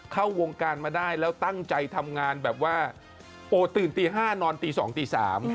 เข้าวงการมาได้แล้วตั้งใจทำงานแบบว่าโอ้ตื่นตี๕นอนตีสองตีสาม